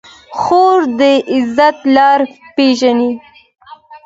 خور د عزت لاره پېژني.